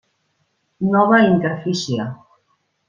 Nova interfície.